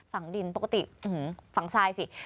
ฝั่งดินปกติฝั่งทรายสิ